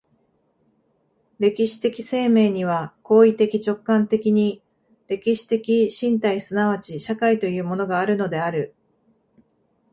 歴史的生命には行為的直観的に歴史的身体即ち社会というものがあるのである。